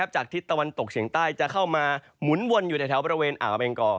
ทิศตะวันตกเฉียงใต้จะเข้ามาหมุนวนอยู่ในแถวบริเวณอ่าวอเมงกอ